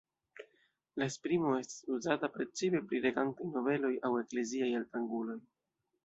La esprimo estas uzata precipe pri regantaj nobeloj aŭ ekleziaj altranguloj.